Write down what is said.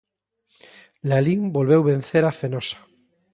Lalín volveu vencer a Fenosa.